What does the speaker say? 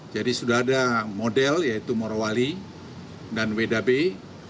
jadi sudah ada model yaitu morowali dan wdbi